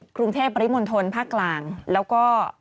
กรุงเทพปริมณฑลภาคกลางแล้วก็